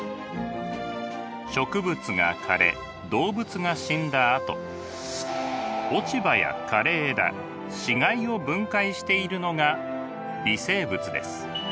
植物が枯れ動物が死んだあと落葉や枯れ枝死骸を分解しているのが微生物です。